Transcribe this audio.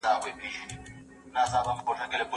زه به اوږده موده د هنرونو تمرين کړی وم؟!